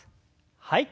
はい。